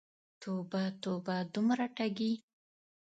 توبه، توبه، دومره ټګې!